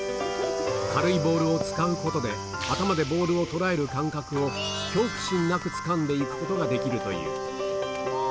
軽いボールを使うことで、頭でボールを捉える感覚を、恐怖心なくつかんでいくことができるという。